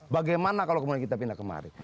bagaimana kalau kemudian kita pindah kemari